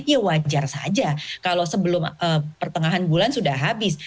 ya wajar saja kalau sebelum pertengahan bulan sudah habis